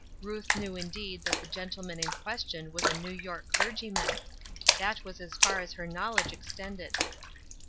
Ruth knew indeed that the gentleman in question was a New York clergyman; that was as far as her knowledge extended.